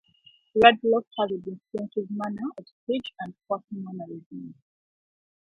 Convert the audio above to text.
Radloff has a distinctive manner of speech and quirky mannerisms.